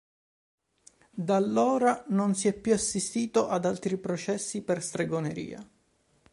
Da allora non si è più assistito ad altri processi per stregoneria.